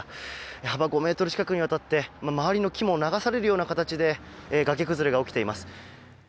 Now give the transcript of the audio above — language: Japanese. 幅５ｍ近くにわたって周りの木も流されるような形で崖崩れが起きています。